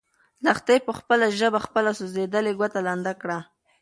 لښتې په خپله ژبه خپله سوځېدلې ګوته لنده کړه.